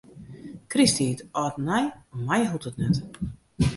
Krysttiid, âld en nij, om my hoecht it net.